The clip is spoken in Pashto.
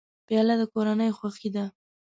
پیاله د کورنۍ خوښي ده.